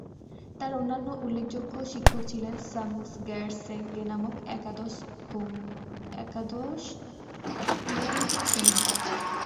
তার অন্যান্য উল্লেখযোগ্য শিক্ষক ছিলেন সাংস-র্গ্যাস-সেং-গে নামক একাদশ ঙ্গোর-ছেন।